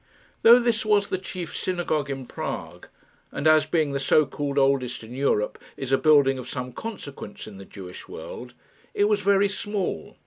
Though this was the chief synagogue in Prague, and, as being the so called oldest in Europe, is a building of some consequence in the Jewish world, it was very small.